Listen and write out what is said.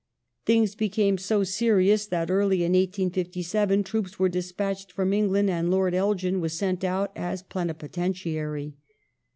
Things became so serious that early in 1857 troops were despatched from England, and Lord Elgin was sent out as plenipotentiary.